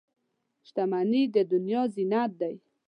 • شتمني د دنیا زینت دی.